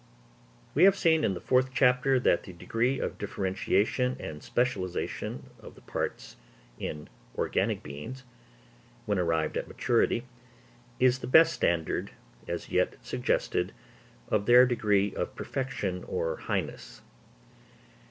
_ We have seen in the fourth chapter that the degree of differentiation and specialisation of the parts in organic beings, when arrived at maturity, is the best standard, as yet suggested, of their degree of perfection or highness.